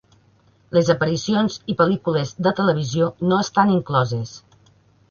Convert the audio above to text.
Les aparicions i pel·lícules de televisió no estan incloses.